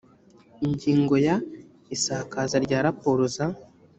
ingingo ya isakaza rya raporo za